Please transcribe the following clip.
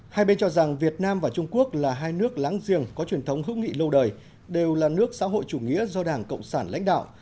hai bên cho rằng việt nam và trung quốc là hai nước láng giềng có truyền thống hữu nghị lâu đời đều là nước xã hội chủ nghĩa do đảng cộng sản lãnh đạo